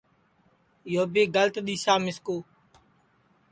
یو بھی گلت دِؔسا مِسکُو